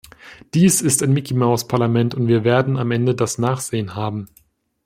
Dies ist ein Mickymaus-Parlament und wir werden am Ende das Nachsehen haben.